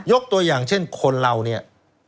ตัวอย่างเช่นคนเราเนี่ย